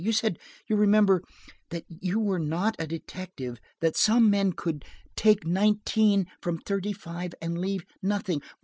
You said, you remember, that you were not a detective, that some men could take nineteen from thirty five and leave nothing.